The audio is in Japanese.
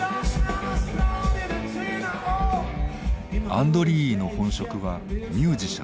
アンドリーイの本職はミュージシャンだ。